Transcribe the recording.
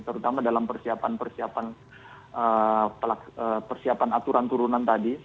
terutama dalam persiapan persiapan aturan turunan tadi